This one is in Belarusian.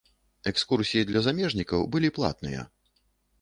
Экскурсіі для замежнікаў былі платныя.